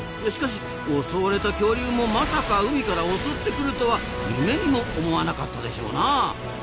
しかし襲われた恐竜もまさか海から襲ってくるとは夢にも思わなかったでしょうな。